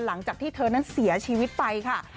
หลังจากที่เธอนั้นเสียชีวิตไปค่ะ